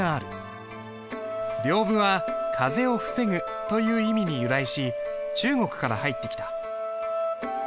屏風は「風を防ぐ」という意味に由来し中国から入ってきた。